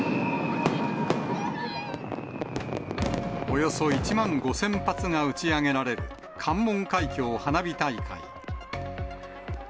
およそ１万５０００発が打ち上げられる、関門海峡花火大会。